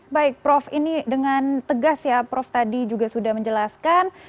baik prof ini dengan tegas ya prof tadi juga sudah menjelaskan